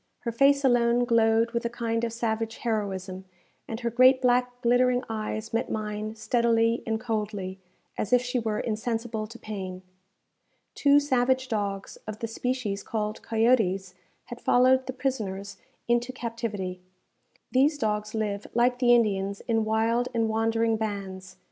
Her face alone glowed with a kind of savage heroism, and her great black glittering eyes met mine steadily and coldly, as if she were insensible to pain. Two savage dogs, of the species called coyotes, had followed the prisoners into captivity. These dogs live, like the Indians, in wild and wandering bands.